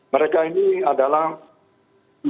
mereka ini adalah